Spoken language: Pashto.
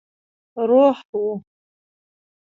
روح وو.